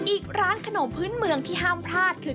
อีกร้านขนมพื้นเมืองที่ห้ามพลาดคือ